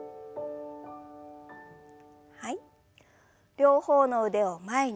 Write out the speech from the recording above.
両方の腕を前に。